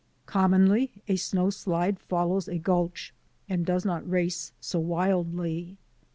Commonly a snowslide follows a gulch and does not race so wildly.